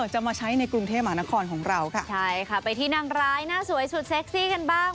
จะมาใช้ในกรุงเทพมหานครของเราค่ะใช่ค่ะไปที่นางร้ายหน้าสวยสุดเซ็กซี่กันบ้าง